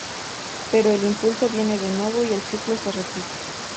Pero el impulso viene de nuevo, y el ciclo se repite.